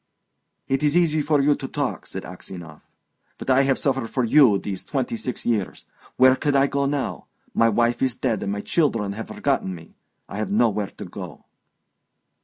"It is easy for you to talk," said Aksionov, "but I have suffered for you these twenty six years. Where could I go to now?... My wife is dead, and my children have forgotten me. I have nowhere to go..."